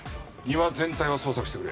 庭全体を捜索してくれ。